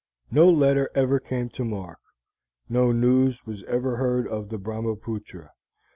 No letter ever came to Mark; no news was ever heard of the Brahmapootra.